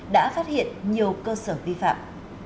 đã phát hiện nhiều cơ sở vi phạm